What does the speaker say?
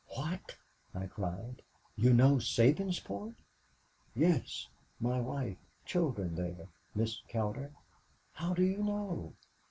"'What!' I cried, 'you know Sabinsport?' "'Yes my wife, children there, Miss Cowder?' "'How do you know?'